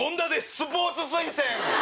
スポーツ推薦！